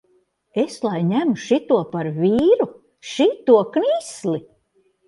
Es lai ņemu šito par vīru, šito knisli!